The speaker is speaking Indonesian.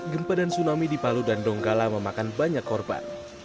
gempa dan tsunami di palu dan donggala memakan banyak korban